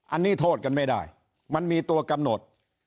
อันนี้โทษกันไม่ได้มันมีตัวกำหนด